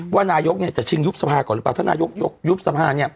ว่านายกจะชิงยุบสภาก่อนหรือเปล่าถ้านายกยุบสภาเนี่ย